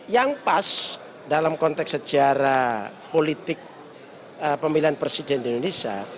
yang pas dalam konteks sejarah politik pemilihan presiden di indonesia